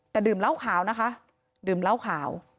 แต่ดื่มเหล้าขาวนะคะดื่มเหล้าขาว